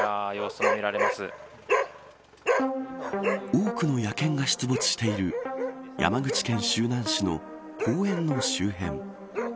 多くの野犬が出没している山口県周南市の公園の周辺。